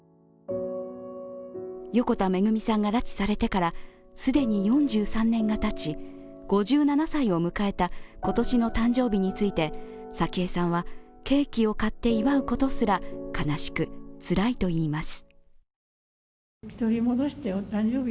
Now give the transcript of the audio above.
横田めぐみさんが拉致されてから既に４３年がたち５７歳を迎えた今年の誕生日について、早紀江さんはケーキを買って祝うことすら悲しくつらいといいます。